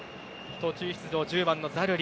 途中出場、１０番のザルリ。